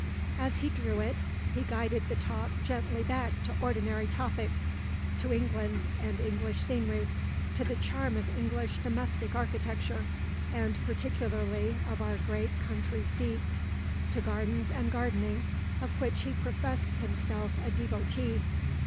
As he drew it, he guided the talk gently back to ordinary topics to England and English scenery, to the charm of English domestic architecture, and particularly of our great country seats, to gardens and gardening, of which he professed himself a devotee.